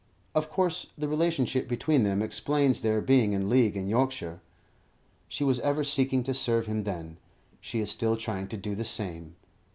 Of course the relationship between them explains their being in league in Yorkshire. She was ever seeking to serve him then; she is still trying to do the same.